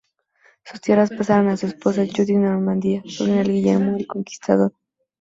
Sus tierras pasaron a su esposa, Judith de Normandía, sobrina de Guillermo el Conquistador.